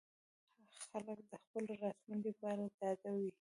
خلک د خپل راتلونکي په اړه ډاډه وي.